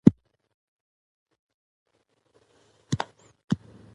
او کاميابي تر لاسه کړې ده.